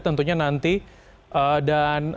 tentunya nanti dan